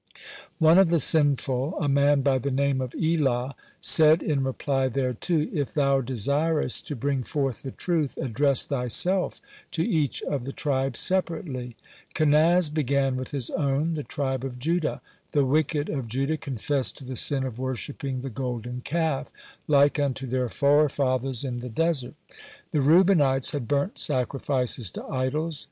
(4) One of the sinful, a man by the name of Elah, (5) said in reply thereto: "If thou desirest to bring forth the truth, address thyself to each of the tribes separately." (6) Kenaz began with his own, the tribe of Judah. The wicked of Judah confessed to the sin of worshipping the golden calf, like unto their forefathers in the desert. The Reubenites had burnt sacrifices to idols.